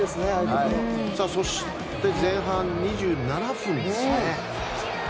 そして、前半２７分ですね。